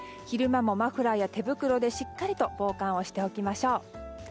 昼間もマフラーや手袋でしっかり防寒をしておきましょう。